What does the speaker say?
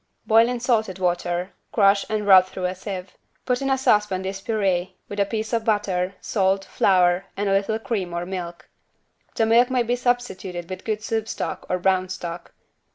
Boil in salted water, crush and rub through a sieve. Put in a saucepan this purée, with a piece of butter, salt, flour and a little cream or milk. The milk may be substituted with good soup stock or brown stock.